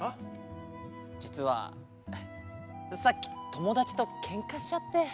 じつはさっきともだちとケンカしちゃって。